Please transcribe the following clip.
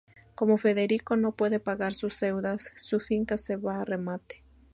Como Federico no puede pagar sus deudas, su finca se va a remate.